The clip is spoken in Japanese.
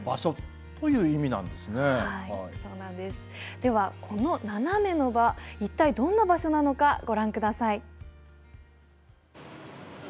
ではこのナナメの場一体どんな場所なのかご覧下さい。